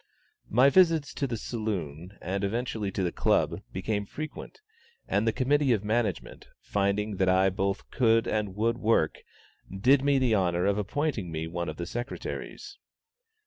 My visits to the saloon, and eventually to the Club, became frequent, and the Committee of Management, finding that I both could and would work, did me the honor of appointing me one of the secretaries.